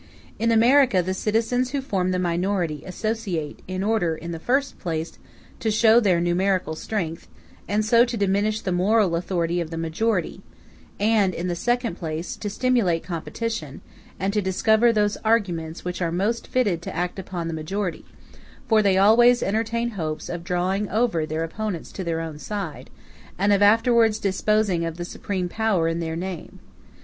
In America the citizens who form the minority associate, in order, in the first place, to show their numerical strength, and so to diminish the moral authority of the majority; and, in the second place, to stimulate competition, and to discover those arguments which are most fitted to act upon the majority; for they always entertain hopes of drawing over their opponents to their own side, and of afterwards disposing of the supreme power in their name.